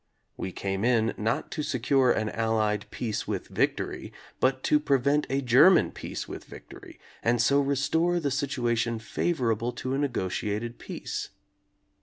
We came in, not to secure an Allied "peace with victory," but to prevent a German "peace with victory," and so restore the situation favorable to a negotiated peace.